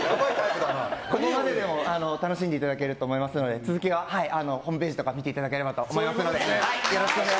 ここまででも楽しんでいただけると思いますのでホームページとか見ていただければと思うので。